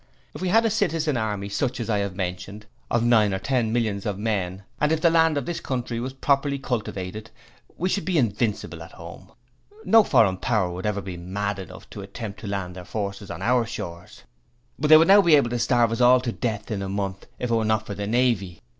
If we had a Citizen Army such as I have mentioned, of nine or ten millions of men and if the land of this country was properly cultivated, we should be invincible at home. No foreign power would ever be mad enough to attempt to land their forces on our shores. But they would now be able to starve us all to death in a month if it were not for the Navy.